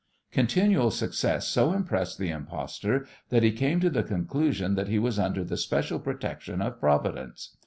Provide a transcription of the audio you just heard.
Continual success so impressed the impostor that he came to the conclusion that he was under the special protection of Providence.